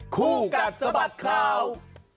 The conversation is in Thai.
คู่กัดสะบัดข่าว